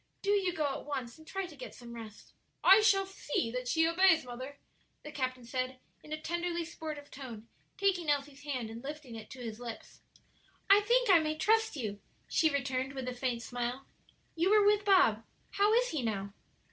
Do you go at once and try to get some rest." "I shall see that she obeys, mother," the captain said, in a tenderly sportive tone, taking Elsie's hand and lifting it to his lips. "I think I may trust you," she returned, with a faint smile. "You were with Bob; how is he now?"